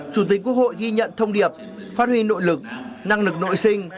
chủ tịch quốc hội ghi nhận thông điệp phát huy nội lực năng lực nội sinh